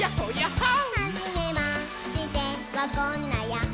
「はじめましてはこんなヤッホ」